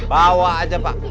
bawa aja pak